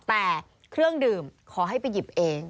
แต่เครื่องดื่มขอให้ไปหยิบเอง